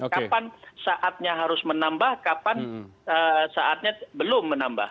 kapan saatnya harus menambah kapan saatnya belum menambah